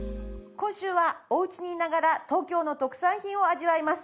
今週はおうちにいながら東京の特産品を味わいます。